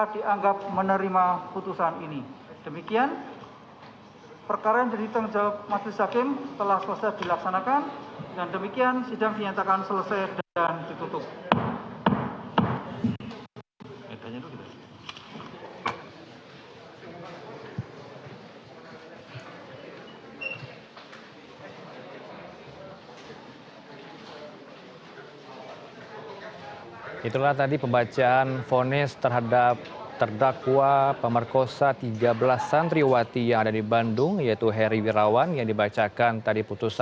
terhadap putusan ini apabila putusan ini dirasakan telah memiliki rasa keadilan baik terdakwa maupun penutup umum